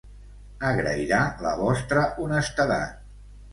Agrairà la vostra honestedat.